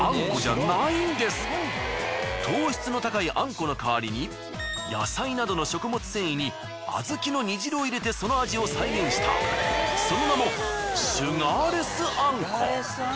実は糖質の高いあんこの代わりに野菜などの食物繊維にあずきの煮汁を入れてその味を再現したその名もシュガーレスあんこ。